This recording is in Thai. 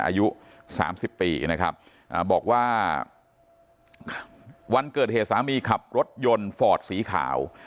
อายุ๓๐ปีนะครับบอกว่าวันเกิดเหตุสามีขับรถยนต์ฟอร์ดสีขาว